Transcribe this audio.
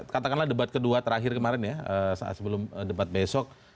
katakanlah debat kedua terakhir kemarin ya sebelum debat besok